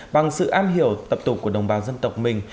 bằng sự am hiểu tập tục của đồng bào dân tộc mình